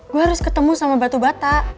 gue harus ketemu sama batu bata